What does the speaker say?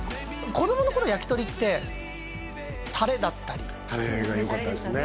子供の頃焼き鳥ってタレだったりタレがよかったですね